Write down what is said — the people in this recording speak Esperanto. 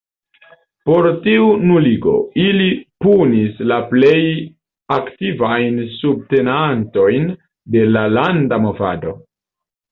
Per tiu nuligo, ili punis la plej aktivajn subtenantojn de la landa movado.